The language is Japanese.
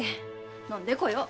飲んでこよう。